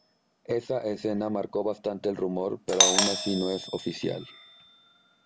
Esa escena marcó bastante el rumor, pero aun así, no es oficial.